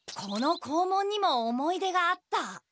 この校門にも思い出があった。